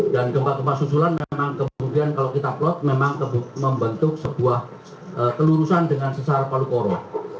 dan gempa gempa susulan memang kemudian kalau kita plot memang membentuk sebuah telurusan dengan sesar palukoro